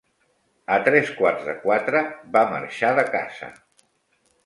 A tres quarts de quatre va marxar de casa.